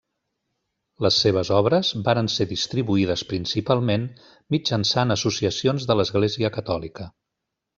Les seves obres varen ser distribuïdes principalment mitjançant associacions de l'Església Catòlica.